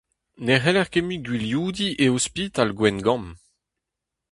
Ne c'heller ket mui gwilioudiñ e ospital Gwengamp.